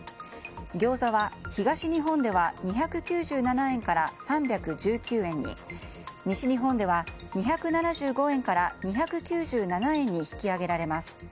餃子は、東日本では２９７円から３１９円に西日本では２７５円から２９７円に引き上げられます。